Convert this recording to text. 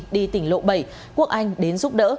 đi tỉnh lộ bảy quốc anh đến giúp đỡ